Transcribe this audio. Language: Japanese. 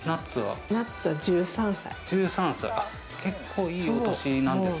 ナッツは１３歳。